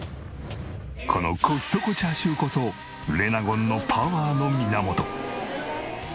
このコストコ焼豚こそレナゴンのパワーの源。